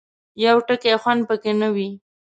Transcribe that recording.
یو ټکی خوند پکې نه وي.